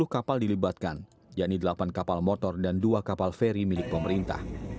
sepuluh kapal dilibatkan yakni delapan kapal motor dan dua kapal feri milik pemerintah